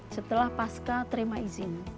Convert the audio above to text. setelah pasca terima izin